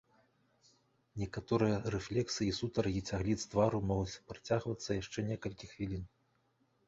Некаторыя рэфлексы і сутаргі цягліц твару могуць працягвацца яшчэ некалькі хвілін.